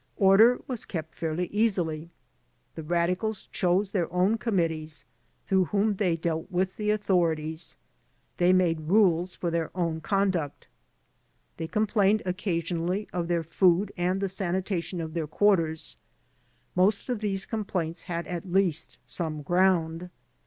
Order was kept fairly easily. The radicals chose their own committees, through whom they dealt MTSth the authorities. They made rules for their own conduct. "They complained occasionally of their food and the sanita tion of their quarters; most of these complaints had at least some ground.